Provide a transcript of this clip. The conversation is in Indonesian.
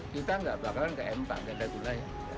kita nggak bakalan ke mk kita dulai